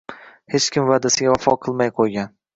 Hech kim vaʼdasiga vafo qilmay qo‘ygan!